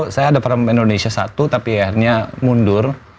saya ada perempuan indonesia satu tapi akhirnya mundur